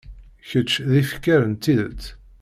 Kečč d ifker n tidet.